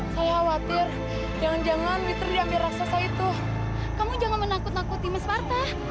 saya khawatir jangan jangan witri ambil raksasa itu kamu jangan menakut nakuti mas marta